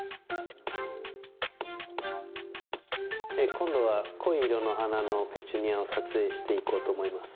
今度は濃い色の花のペチュニアを撮影していこうと思います。